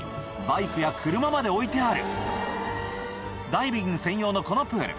バイクや車まで置いてあるダイビング専用のこのプール